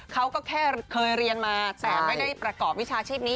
เขาก็แค่เคยเรียนมาแต่ไม่ได้ประกอบวิชาชีพนี้